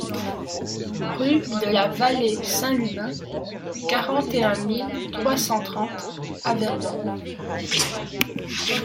Rue de la Vallée Saint-Lubin, quarante et un mille trois cent trente Averdon